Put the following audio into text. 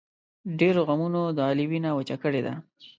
ډېرو غمونو د علي وینه وچه کړې ده.